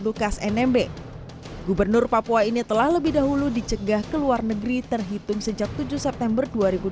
lukas nmb gubernur papua ini telah lebih dahulu dicegah ke luar negeri terhitung sejak tujuh september